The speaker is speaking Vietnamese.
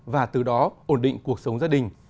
và từ đó ổn định cuộc sống gia đình